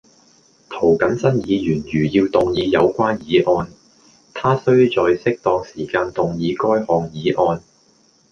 涂謹申議員如要動議有關議案，他須在適當時間動議該項議案